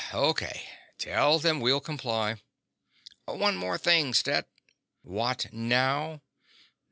"O.K. Tell them we'll comply." "One more thing, Stet." "What now?"